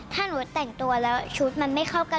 ถ้าหนูแต่งตัวแล้วชุดมันไม่เข้ากัน